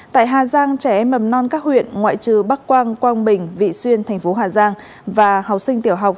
tại hà giang trẻ mầm non các huyện ngoại trừ bắc quang quang bình vị xuyên thành phố hà giang và học sinh tiểu học